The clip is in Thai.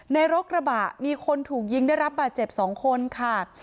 รถกระบะมีคนถูกยิงได้รับบาดเจ็บ๒คนค่ะ